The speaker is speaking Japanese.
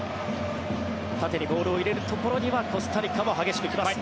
縦にボールを入れるところにはコスタリカも激しく来ます。